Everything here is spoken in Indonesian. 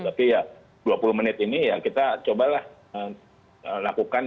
tapi ya dua puluh menit ini ya kita cobalah lakukan